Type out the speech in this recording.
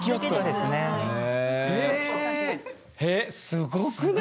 すごくない？